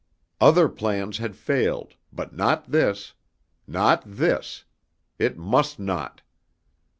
Other plans had failed, but not this. Not this! It must not!